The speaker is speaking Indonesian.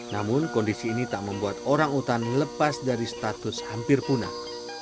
namun kondisi ini tak membuat orang utan lepas dari status hampir punah